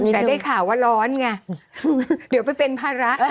แต่ได้ข่าวว่าร้อนไงเดี๋ยวไปเป็นภาระ